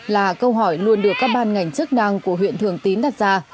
là câu hỏi luôn được các ban ngành chức năng của huyện thường tín đặt ra